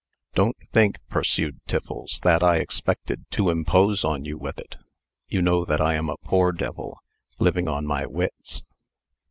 "Don't think," pursued Tiffles, "that I expected to impose on you with it. You know that I am a poor devil, living on my wits."